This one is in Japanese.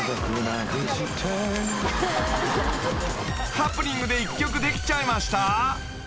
［ハプニングで１曲できちゃいました？］